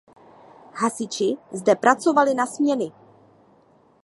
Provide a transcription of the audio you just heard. Hasiči zde pracovali na směny.